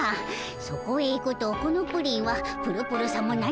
そこへいくとこのプリンはぷるぷるさも何もない。